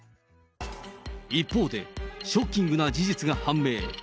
一方で、ショッキングな事実が判明。